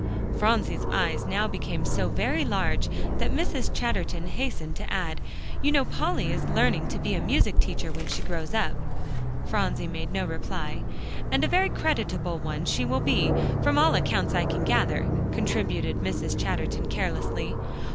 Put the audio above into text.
Phronsie's eyes now became so very large that Mrs. Chatterton hastened to add: "You know Polly is learning to be a music teacher when she grows up." Phronsie made no reply. "And a very creditable one she will be, from all acounts I can gather," contributed Mrs. Chatterton carelessly.